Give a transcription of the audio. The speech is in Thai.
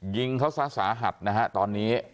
ยิงเขาซะสาหัสนะฮะตอนนี้